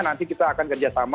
nanti kita akan kerjasama